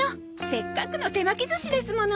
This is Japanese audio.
せっかくの手巻き寿司ですもの。